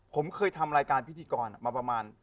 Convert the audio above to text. ผมเคยทำรายการพิธีกรมาประมาณ